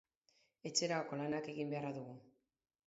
Etxerako lanak egin beharra dugu.